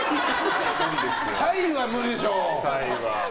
サイは無理でしょ。